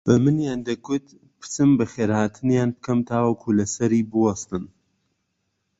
بەمنیان دەگوت بچم بەخێرهاتنیان بکەم تاوەکو لەسەری بووەستن